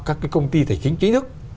các cái công ty tài chính chính thức